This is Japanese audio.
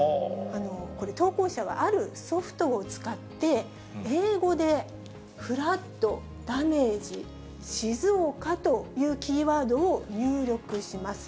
これ、投稿者は、あるソフトを使って、英語で、フラッド、ダメージ、シズオカというキーワードを入力します。